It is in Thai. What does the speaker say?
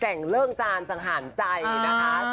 ่งเลิกจานสังหารใจนะคะ